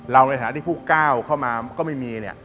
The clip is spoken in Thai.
ในฐานะที่ผู้ก้าวเข้ามาก็ไม่มี